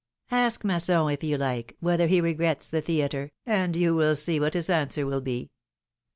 Ask Masson, if you like, whether he regrets the theatre, and you will see what his answer will be